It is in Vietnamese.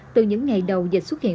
từ những ngày đầu dịch xuất hiện